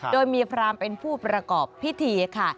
โดยมีพรามเป็นผู้ประกอบพิธีค่ะ